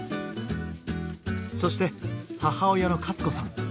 そして母親のカツ子さん。